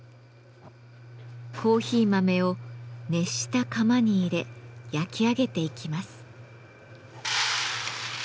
コーヒー豆を熱した釜に入れ焼き上げていきます。